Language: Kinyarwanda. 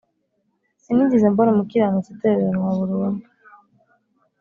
Sinigeze mbona umukiranutsi atereranwa burundu